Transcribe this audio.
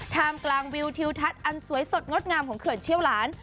มกลางวิวทิวทัศน์อันสวยสดงดงามของเขื่อนเชี่ยวหลาน